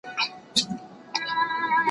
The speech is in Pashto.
یوازي لس تنه دي!!